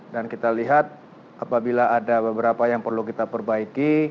dan kita lihat apabila ada beberapa yang perlu kita perbaiki